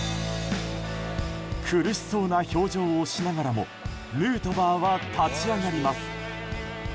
苦しそうな表情をしながらもヌートバーは立ち上がります。